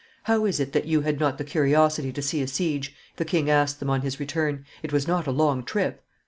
"How is it that you had not the curiosity to see a siege?" the king asked them on his return: "it was not a long trip."